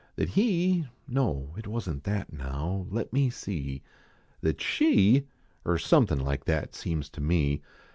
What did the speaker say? That he no it wasn t that now let me see That she er something like that seems to me.